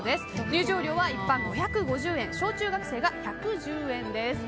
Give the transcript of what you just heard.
入場料、一般５５０円小中学生が１１０円です。